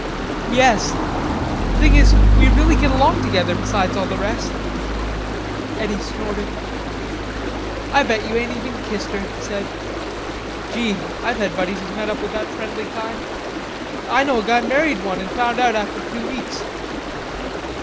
"Yes. The thing is we really get along together, besides all the rest." Eddy snorted. "I bet you ain't ever even kissed her," he said. "Gee, I've had buddies has met up with that friendly kind. I know a guy married one, an' found out after two weeks."